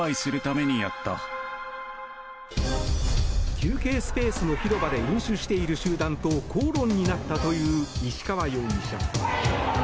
休憩スペースの広場で飲酒している集団と口論になったという石川容疑者。